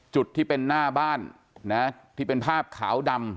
จุดที่เป็นหน้าบ้านนะที่เป็นภาพขาวดำ